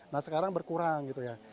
nah sekarang berkurang gitu ya